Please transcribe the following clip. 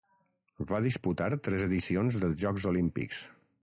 Va disputar tres edicions dels Jocs Olímpics.